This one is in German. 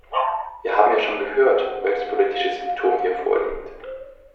Wir haben ja schon gehört, welches politische Symptom hier vorliegt.